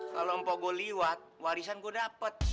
kalo mpok gue liwat warisan gue dapet